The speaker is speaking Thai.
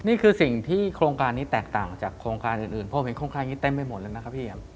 นี่คือสิ่งที่โครงการนี้แตกต่างจากโครงการอื่นเพราะเห็นโครงค่าอย่างนี้เต็มไปหมดเลยนะครับพี่แอม